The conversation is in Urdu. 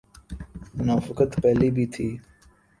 منافقت پہلے بھی تھی۔